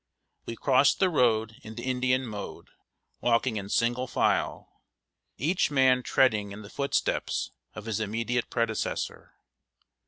We crossed the road in the Indian mode, walking in single file, each man treading in the footsteps of his immediate predecessor.